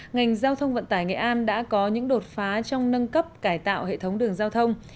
ngành giao thông vận tải nghệ an đã có những đột phá trong nâng cấp cải tạo hệ thống đường giao thông